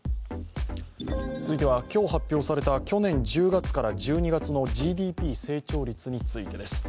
続いては今日発表された去年１０月から１２月のＧＤＰ成長率について。